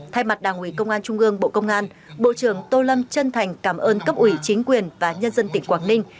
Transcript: thay mặt đảng ủy công an trung gương bộ công an bộ trưởng tô lâm chân thành cảm ơn cấp ủy chính quyền và nhân dân tỉnh quảng ninh